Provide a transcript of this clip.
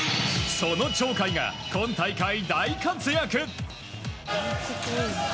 その鳥海が、今大会、大活躍。